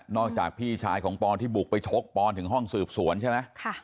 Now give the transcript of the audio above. จากพี่ชายของปอนที่บุกไปชกปอนถึงห้องสืบสวนใช่ไหม